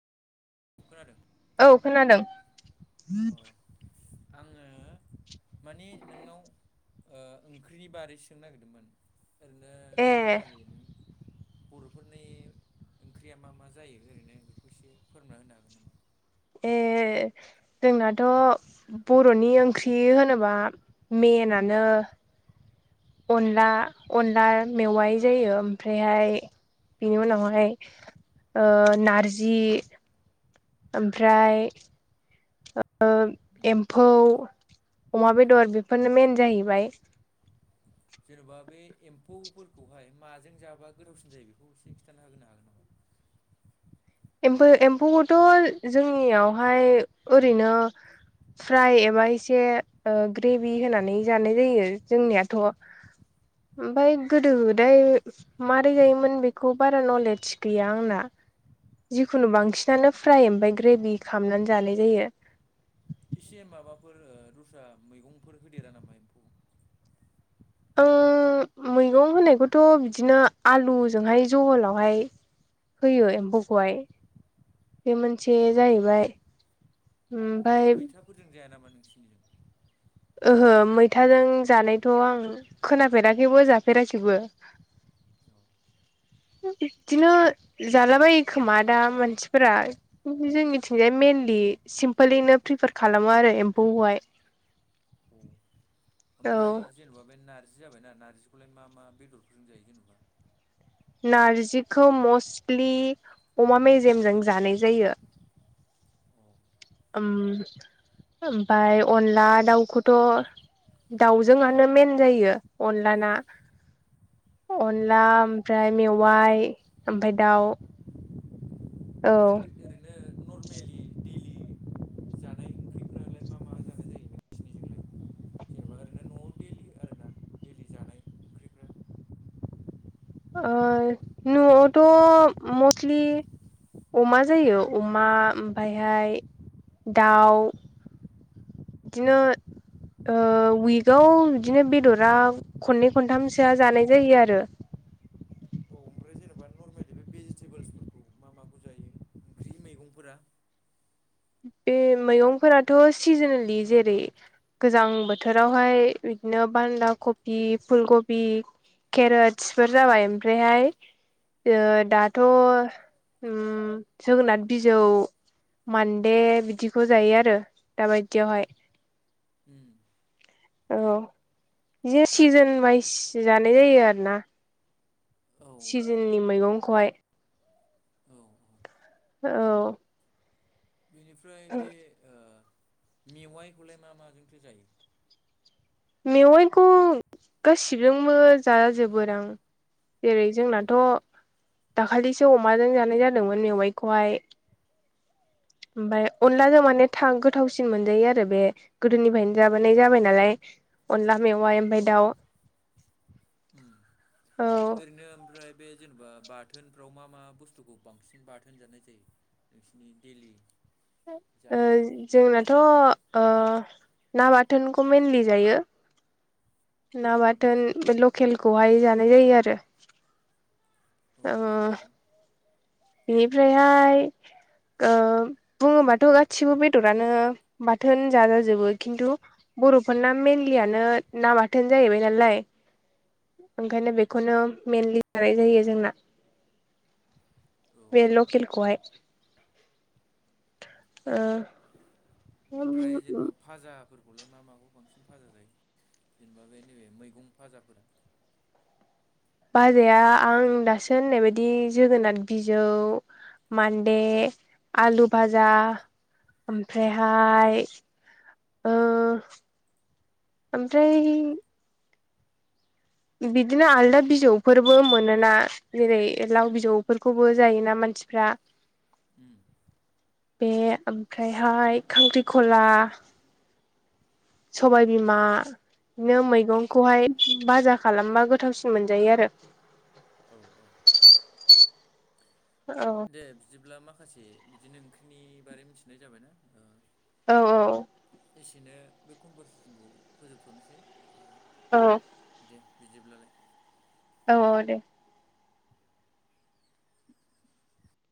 खोनादों औ खोनादों अ आङो माने नोंनाव ओ ओंख्रिनि बारै सोंनो नागिरदोंमोन ओरैनो ए नरमेलि नों बर'फोरनि ओंख्रिया मा मा जायो ओरैनो बेखौ एसे फोरमना होनो हागोन नामा ए जोंनाथ' बर'नि ओंख्रि होनोब्ला मेनानो अनला अनला मेवाय जायो ओमफ्रायहाय बेनि उनावहाय ओ नारजि ओमफ्राय ओ एम्फौ अमा बेदर बेफोरनो मेन जाहैबाय जेन'बा बे एम्फौफोरखौहाय माजों जाबा गोदावसिन जायो बेखौ एसे खिन्थाना होनो हागोन नामा एमफौ एम्फौखौथ' जोंनियावहाय ओरैनो फ्राय एबा एसे ओ ग्रेभि होनानै जानाय जायो जोंनियाथ' ओमफफ्राय गोदो औ गोदाय मारै जायोमोन बेखौ बारा नलेज गैया आंना जिखुनु बांसिनानो फ्राय ओमफफ्राय ग्रेभि खालामनानै जानाय जायो एसे माबाफोर दस्रा मैगंफोर होदेरा नामा एम्फौ आं [inaudible] मैगं होनायखौथ' बिदिनो आलुजोंहाय जहलावहाय होयो एम्फौखौहाय बे मोनसे जाहैबाय ओमफ्राय ओमफाय मैथाफोरजों जाया नामा नोंसिनिजों ओहो मैथाजों जानायथ' आं खोनाफेराखैबो जाफेराखैबो बिदिनो जालाबायो खोमा दा मानसिफोरा जोंनिथिंजाय मइेनलि सिमपोलनो प्रिफार खालामो आरो एम्फौखौहाय [inaudible] औ ओमफ्राय जेने'बा बे नारजि जाबाय नारजिखौलाय मा मा बेदरफोरजों जायो जेनेबा नारजिखौ मस्टलि अमा मेजेमजों जानाय जायो अ ओम -ओमफफ्राय अनला दाउखौथ' दाउजोंआनो मेन जायो अनला ना अनला औ ओमफ्राय मेवाइ ओमफ्राय दाउ ओमफ्राय औ ओरैनो नरमेलि दैलि जानाय ओंख्रिफ्रालाय मा मा जानाय जायो नोंसिनिजोंलाय जेनेबा ओरैनो न'आव दैलि आरोना दैलि जानाय ओंख्रिफ्रा औ ओ न'आवथ' मस्लि अमा जायो अमा ओमफ्रायहाय दाउ बिदिनो ओ उइकाव बिदिनो बेदरा खननै खनथामसोआ जानाय जायो आरो औ ओमफ्राय जेनबा नरमेलि बे बि- -जिथेबोल्स फोर- [inaudible] मा माखौ जायो ओंख्रि मैगंफोरा बे मैगंफोराथ' सिजनेलि जेरै गोजां बोथोरावहाय बिदिनो बान्दा खबि फुलकबि केरेतसफोर जाबाय ओमफ्रायहाय ओ दाथ' उम जोगोनार बिजौ मान- -दे बिदिखौ जायो आरो दाबायदियावहाय उम औ बिदिनो सिजोन वाइस जानाय जायो आरोना औ सिजोननि मैगंखौहाय औ औ औ बेनिफ्राय बे अ मेवाइखौलाय मा माजोंथो जायो मेवाइखौ गासिबजोंबो जाजोबो दां जेरै उम जोंनाथ' दाखालिसो अमाजों जानाय जादोंमोन मेवाइखौहाय ओमफ्राय अनलाजों उम माने था गोथावसिन मोनजायो आरो बे गोदोनिफ्रायनो जाबोनाय जाबाय नालाय अनला मेवाइ ओमफ्राय दाउ औ उम बिदिनो ओमफ्राय बे जेनेबा बाथोनफ्राव मा मा बुस्थुखौ बांसिन बाथोन जानाय जायो नोंसिनि दैेलि ओ जोंनाथ' आ ना बाथोनखौ मेनलि जायो ना बाथोन ओमफ्राय बे लकेलखौहाय जानाय जायो आरो औ ओ बेनिफ्राय बेनिफ्रायहाय ओ बुङोबाथ' गासिबो बेदरानो बाथोन जाजाजोबो खिन्थु बर'फोरना मेनलियानो नाबाथोन जाहैबाय नालाय ओंखायनो बेखौनो मेइेनलि जानाय जायो जोंना औ बेे लकेलखौहाय ओ ओमफ्राय जेनबा फाजाफोरखौलाय मा माखौ बांसिन फाजा जायो जेनेबा बे नैबे मैगं फाजाफोर बाजाया आं दासो होननाय बायदि जोगोनार बिजौ मानदे आलु भाजा उम ओमफ्रायहाय ओ ओमफ्राय बिदिनो आलदा बिजौफोरबो मोनोना जेरै लाव बिजौफोरखौबो जायोना मानसिफ्रा उम बे ओमफ्रायहाय खांख्रिखला सबायबिमा बिदिनो मैगंखौहाय भाजा खालामबा गोथावसिन मोनजायो आरो औ औ दे बिदिब्ला माखासे बिदिनो ओंख्रिनि बारै मिथिनाय जाबायना ओ औ औ एसेनो बे कनभारसेसनखौ फोजोबथ'नोसै औ दे बिदिब्लालाय औ औ दे